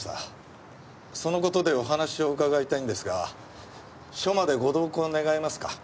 その事でお話を伺いたいんですが署までご同行願えますか？